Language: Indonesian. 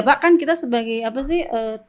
pak kan kita sebagai apa sih